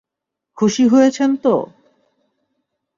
খুশী হয়েছেন তো?